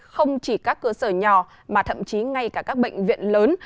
không chỉ các cơ sở nhỏ mà thậm chí ngay cả các bệnh viện lớn